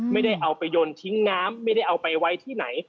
ไม่ได้เอาไปยนต์ทิ้งน้ำไม่ได้เอาไปไว้ที่ไหน